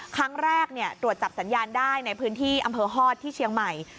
ครั้งแรกตรวจจับสัญญาณได้ในพื้นที่อำเภอฮอตที่เชียงใหม่